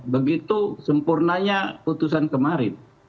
begitu sempurnanya keputusan kemarin